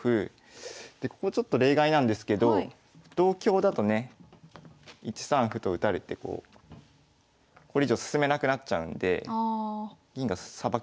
でここちょっと例外なんですけど同香だとね１三歩と打たれてこれ以上進めなくなっちゃうんで銀がさばけないですよね。